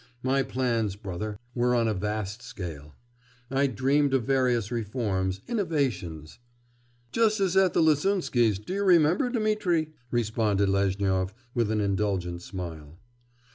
My plans, brother, were on a vast scale; I dreamed of various reforms, innovations...' 'Just as at the Lasunsky's, do you remember, Dmitri?' responded Lezhnyov, with an indulgent smile.